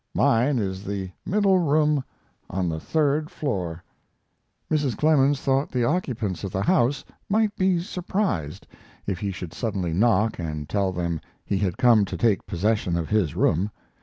Mine is the middle room on the third floor." Mrs. Clemens thought the occupants of the house might be surprised if he should suddenly knock and tell them he had come to take possession of his room.